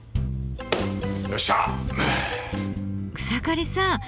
草刈さん